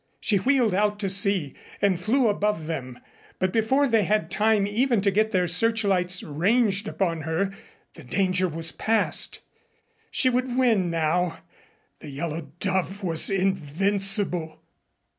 She wheeled out to sea and flew above them, but before they had time even to get their searchlights ranged upon her, the danger was past. She would win now. The Yellow Dove was invincible.